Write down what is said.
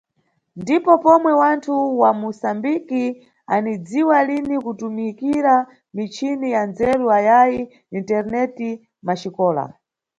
Ndipo pomwe wanthu wa Musambiki anidziwa lini kutumikira michini ya nzeru ayayi Internet mʼmaxikola.